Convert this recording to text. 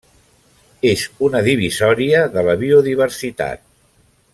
És una divisòria de la biodiversitat.